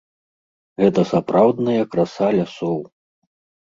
Гэта сапраўдная краса лясоў.